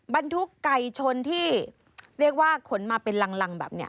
บรรทุกไก่ชนที่เรียกว่าขนมาเป็นรังแบบนี้